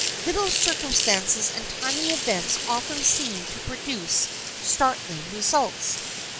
Little circumstances and tiny events often seem to produce startling results.